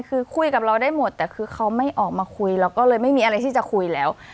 คือคุยกับเราได้หมดแต่คือเขาไม่ออกมาคุยเราก็เลยไม่มีอะไรที่จะคุยแล้ว